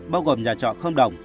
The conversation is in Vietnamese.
bao gồm nhà trọ không đồng